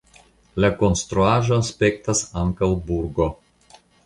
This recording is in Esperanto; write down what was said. La konstruaĵo aspektas ankaŭ burgo.